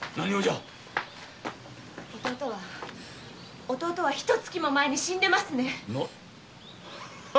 弟は弟はひと月も前に死んでいますね。